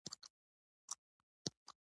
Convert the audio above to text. غوره خبره کوچنی تکليف وزغمو.